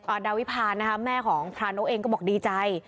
ดาวิพานนะคะแม่ของพรานกเองก็บอกดีใจ